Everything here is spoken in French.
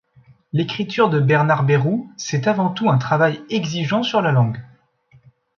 L'écriture de Bernard Berrou c'est avant tout un travail exigeant sur la langue.